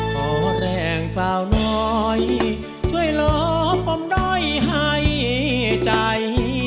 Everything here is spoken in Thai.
ขอแรงเปล่าน้อยช่วยลบผมด้อยหายใจ